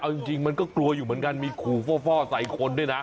เอาจริงมันก็กลัวอยู่เหมือนกันมีขู่ฟ่อใส่คนด้วยนะ